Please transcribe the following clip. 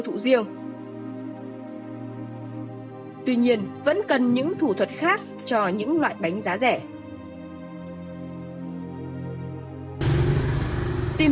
thụ riêng tuy nhiên vẫn cần những thủ thuật khác cho những loại bánh giá rẻ tìm đến một cơ sở sản